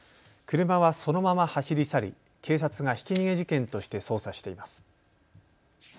車はそのまま走り去り、警察がひき逃げ事件として捜査しています。